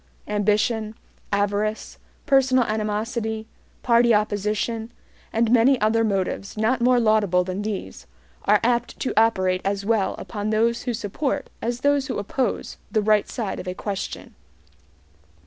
Ambition, avarice, personal animosity, party opposition, and many other motives not more laudable than these, are apt to operate as well upon those who support as those who oppose the right side of a question.